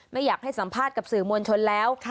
ไม่อยากให้สัมภาษณ์กับสื่อมวลชนแล้ว